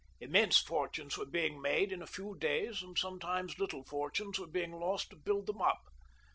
Immense fortmies were being made in a few days and sometimes little fortunes were being lost to build them up.